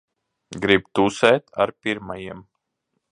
Grib tusēt ar pirmajiem.